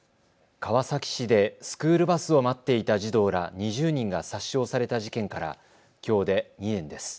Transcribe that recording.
川崎市でスクールバスを待っていた児童ら２０人が殺傷された事件からきょうで２年です。